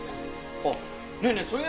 あっねえねえ